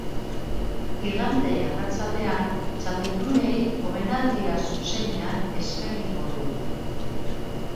Igande arratsaldean txapeldunei omenaldia zuzenean eskainiko dugu.